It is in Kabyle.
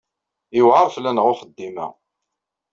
Yewɛeṛ fell-aneɣ uxeddim-a.